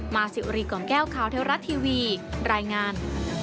สิวรีกล่อมแก้วข่าวเทวรัฐทีวีรายงาน